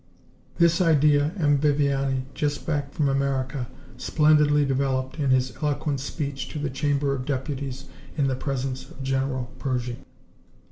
"This idea M. Viviani, just back from America, splendidly developed in his eloquent speech to the Chamber of Deputies in the presence of General Pershing.